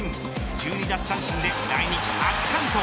１２奪三振で来日初完投。